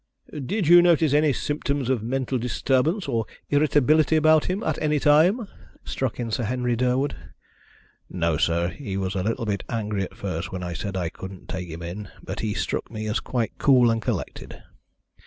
"Did you notice any symptoms of mental disturbance or irritability about him at any time?" struck in Sir Henry Durwood. "No, sir. He was a little bit angry at first when I said I couldn't take him in, but he struck me as quite cool and collected."